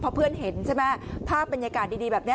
เพราะเพื่อนเห็นใช่ไหมภาพบรรยากาศดีแบบนี้